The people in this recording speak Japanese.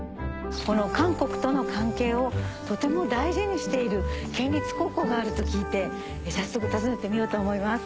この韓国との関係をとても大事にしている県立高校があると聞いて早速訪ねてみようと思います。